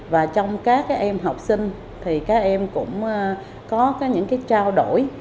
và trong các em học sinh thì các em cũng có những cái trao đổi